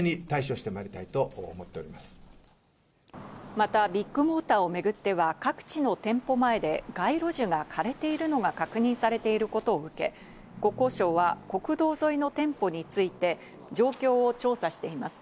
またビッグモーターを巡っては各地の店舗前で、街路樹が枯れているのが確認されていることを受け、国交省は国道沿いの店舗について、状況を調査しています。